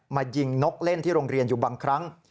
มายิงนกเล่นที่โรงเรียนอยู่บางครั้ง